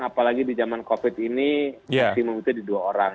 apalagi di zaman covid ini maksimum itu di dua orang